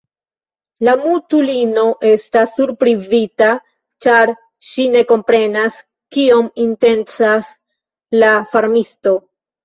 La mutulino estas surprizita, ĉar ŝi ne komprenas, kion intencas la farmisto.